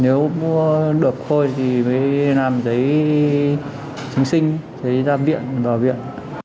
nếu mua được thôi thì mới làm giấy chứng sinh giấy giam viện bảo viện